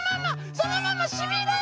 そのまましびれる！